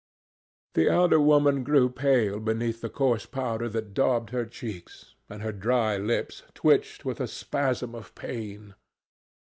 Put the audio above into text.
The elder woman grew pale beneath the coarse powder that daubed her cheeks, and her dry lips twitched with a spasm of pain.